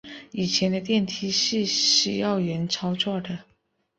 以前的电梯是需要人操作的。